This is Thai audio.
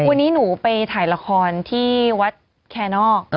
วันนี้หนูไปถ่ายละครที่วัดแคนอก